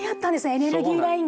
エネルギーラインが。